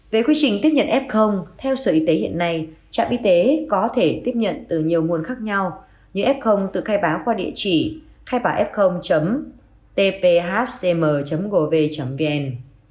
về quy trình tiếp nhận f theo sở y tế hiện nay trạm y tế có thể tiếp nhận từ nhiều nguồn khác nhau như f tự khai báo qua địa chỉ khai fphcm gov vn